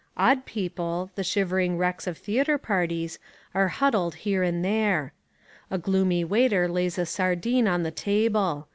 Odd people, the shivering wrecks of theatre parties, are huddled here and there. A gloomy waiter lays a sardine on the table.